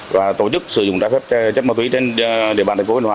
và tổ chức sử dụng trái phép chất ma túy trên địa bàn tp hcm